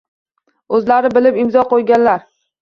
Oʻzlari bilib imzo qoʻyganlar.